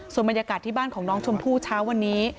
ส่วนบรรยากาศที่บ้านของน้องชมพู่เช้าวันนี้